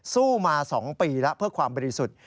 สู้มา๒ปีแล้วเพื่อความบริสุทธิ์